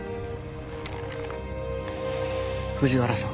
藤原さん。